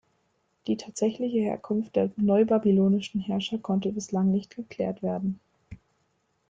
Die tatsächliche Herkunft der neubabylonischen Herrscher konnte bislang nicht geklärt werden.